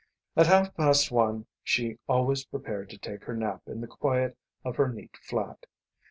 At half past one she always prepared to take her nap in the quiet of her neat flat.